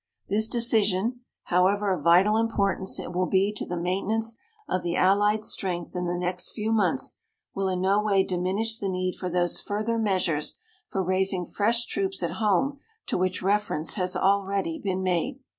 "This decision, however of vital importance it will be to the maintenance of the Allied strength in the next few months, will in no way diminish the need for those further measures for raising fresh troops at home to which reference has already been made.